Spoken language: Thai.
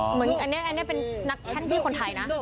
เหมือนอันนี้เป็นนักแท็กซี่คนไทยนะ